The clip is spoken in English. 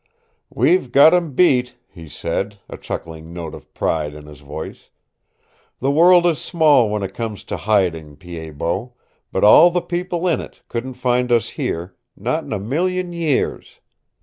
"We've got 'em beat," he said, a chuckling note of pride in his voice. "The world is small when it comes to hiding, Pied Bot, but all the people in it couldn't find us here not in a million years.